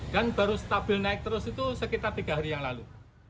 dan baru stabil naik terus itu sekitar tiga hari yang lalu